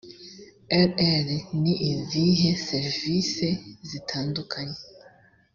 rr ni izihe serivise zitandukanye